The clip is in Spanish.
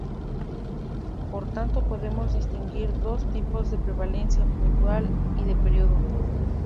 Por tanto podemos distinguir dos tipos de prevalencia: puntual y de periodo.